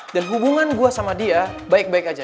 dan hubungan gue sama dia baik baik aja